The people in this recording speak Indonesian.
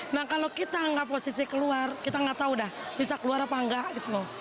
nah kalau kita tidak posisi keluar kita tidak tahu sudah bisa keluar atau tidak